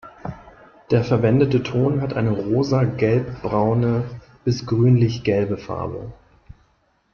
Der verwendete Ton hat eine rosa-gelbbraune bis grünlich-gelbe Farbe.